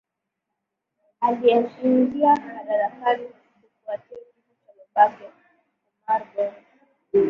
alieingia madarakani kufuatia kifo cha babake yake omar bongo